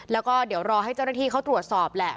แล้วก็เดี๋ยวรอให้เจ้าหน้าที่เขาตรวจสอบแหละ